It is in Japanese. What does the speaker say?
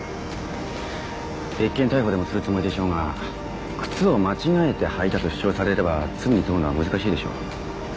別件逮捕でもするつもりでしょうが靴を間違えて履いたと主張されれば罪に問うのは難しいでしょう。